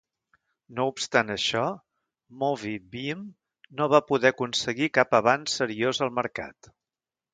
No obstant això, MovieBeam no va poder aconseguir cap avanç seriós al mercat.